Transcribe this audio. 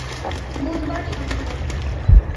বুধবার, সম্ভবত।